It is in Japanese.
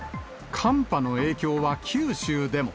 寒波の影響は九州でも。